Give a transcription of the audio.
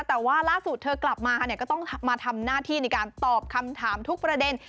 แต่ว่าล่าสุดเธอกลับมาเนี่ยก็ต้องมาทำหน้าที่ในการตอบคำถามทุกประเด็น